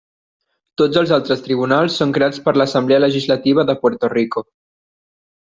Tots els altres tribunals són creats per l'Assemblea Legislativa de Puerto Rico.